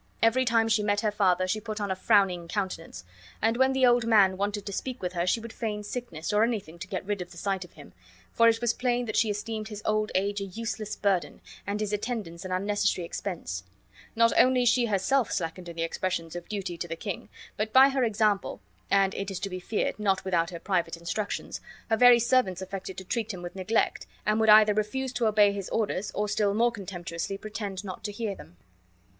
Every time she met her father she put on a frowning countenance; and when the old man wanted to speak with her she would feign sickness or anything to get rid of the sight of him, for it was plain that she esteemed his old age a useless burden and his attendants an unnecessary expense; not only she herself slackened in her expressions of duty to the king, but by her example, and (it is to be feared) not without her private instructions, her very servants affected to treat him with neglect, and would either refuse to obey his orders or still more contemptuously pretend not to hear them.